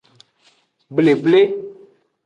Bleble.